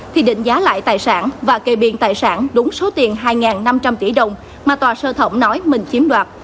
thì định giá lại tài sản và kê biên tài sản đúng số tiền hai năm trăm linh tỷ đồng mà tòa sơ thẩm nói mình chiếm đoạt